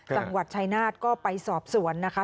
จังหวัดชายนาฏก็ไปสอบสวนนะคะ